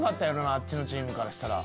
あっちのチームからしたら。